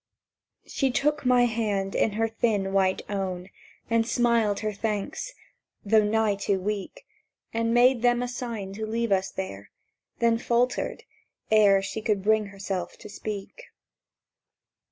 She took my hand in her thin white own, And smiled her thanks—though nigh too weak— And made them a sign to leave us there Then faltered, ere She could bring herself to speak.